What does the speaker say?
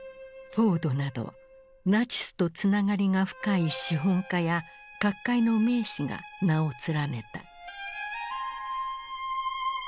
フォードなどナチスとつながりが深い資本家や各界の名士が名を連ねた。